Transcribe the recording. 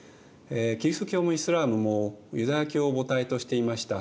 キリスト教もイスラームもユダヤ教を母体としていました。